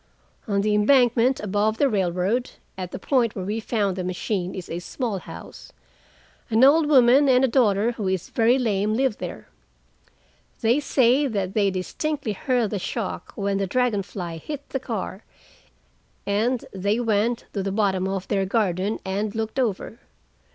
On the embankment above the railroad, at the point where we found the machine, is a small house. An old woman and a daughter, who is very lame, live there. They say that they distinctly heard the shock when the Dragon Fly hit the car, and they went to the bottom of their garden and looked over.